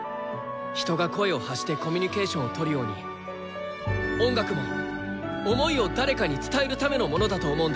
人が声を発してコミュニケーションをとるように音楽も想いを誰かに伝えるためのものだと思うんだ。